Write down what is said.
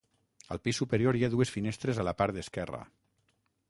Al pis superior hi ha dues finestres a la part esquerra.